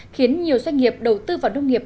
khiến nhiều doanh nghiệp đầu tư vào nông nghiệp